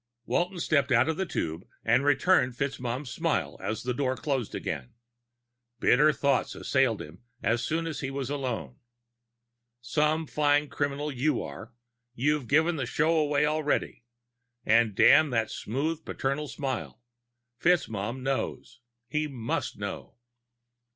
Walton stepped out of the tube and returned FitzMaugham's smile as the door closed again. Bitter thoughts assailed him as soon as he was alone. _Some fine criminal you are. You've given the show away already! And damn that smooth paternal smile. FitzMaugham knows! He must know!